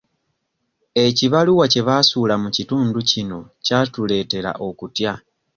Ekibaluwa kye baasuula mu kitundu kino kyatuleetera okutya.